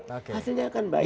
hasilnya akan baik